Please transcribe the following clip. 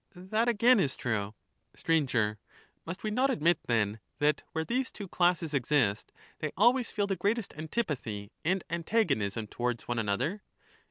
That, again, is true. Sir, Must we not admit, then, that where these two classes exist, they always feel the greatest antipathy and antagonism towards one another